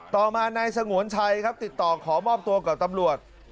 ต่อมานายสงวนชัยครับติดต่อขอมอบตัวกับตำรวจ